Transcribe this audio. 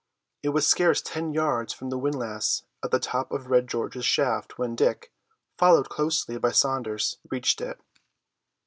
It was scarce ten yards from the windlass at the top of Red George's shaft when Dick, followed closely by Saunders, reached it.